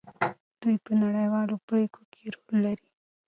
دوی په نړیوالو پریکړو کې رول لري.